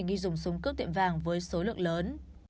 nghi dùng súng cướp tiệm vàng với số lượng lớn